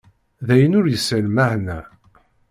d ayen ur yesεi lmeεna.